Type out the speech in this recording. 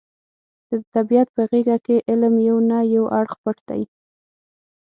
د طبیعت په غېږه کې علم یو نه یو اړخ پټ دی.